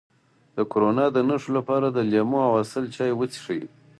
د کرونا د نښو لپاره د لیمو او عسل چای وڅښئ